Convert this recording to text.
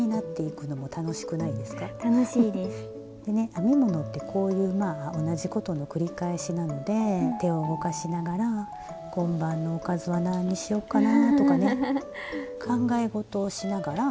編み物ってこういうまあ同じことの繰り返しなので手を動かしながら「今晩のおかずは何にしようかな」とかね考え事をしながら。